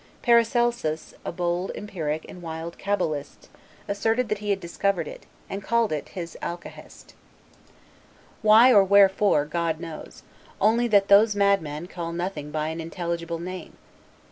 Paracelsus, a bold empiric and wild Caballist, asserted that he had discovered it, and called it his 'Alkahest'. Why or wherefore, God knows; only that those madmen call nothing by an intelligible name.